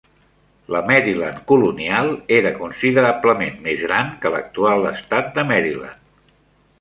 La Maryland colonial era considerablement més gran que l'actual estat de Maryland.